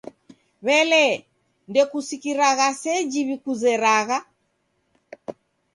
W'elee, ndekusikiragha seji w'ikuzeragha?